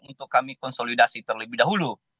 untuk kami konsolidasi terlebih dahulu